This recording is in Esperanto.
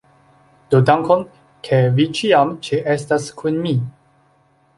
Do dankon! Ke vi ĉiam ĉeestas kun mi!